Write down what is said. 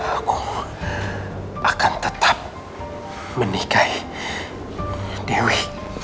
aku akan tetap menikahi dewi